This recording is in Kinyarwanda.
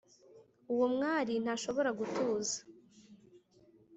Uwo mwari ntashobora gutuza